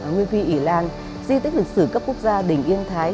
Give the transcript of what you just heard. nguyên phi ỉ lan di tích lịch sử cấp quốc gia đình yên thái